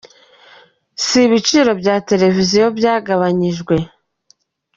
Si ibiciro bya televiziyo gusa byagabanyijwe.